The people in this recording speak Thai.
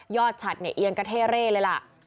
ฉัดเนี่ยเอียงกระเท่เร่เลยล่ะ